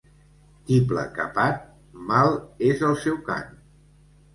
Tiple capat, mal és el seu cant.